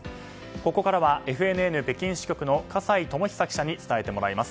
ここからはＦＮＮ北京支局の葛西友久記者に伝えてもらいます。